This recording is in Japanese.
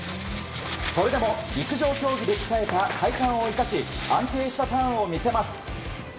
それでも陸上競技で鍛えた体幹を生かし安定したターンを見せます。